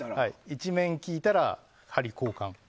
１面聴いたら、針交換。